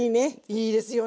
いいですよね。